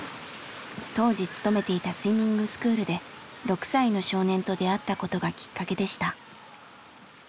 当時勤めていたスイミングスクールで６歳の少年と出会ったことがきっかけでした。